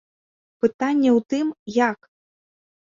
Пытанне ў тым, як.